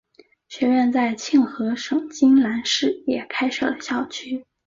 学院在庆和省金兰市也开设了校区。